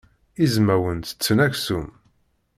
Izmawen ttetten aksum.